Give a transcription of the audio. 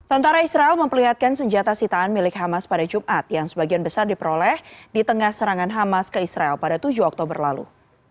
tentara israel memperlihatkan senjata sitaan milik hamas pada jumat yang sebagian besar diperoleh di tengah serangan hamas ke israel pada tujuh oktober lalu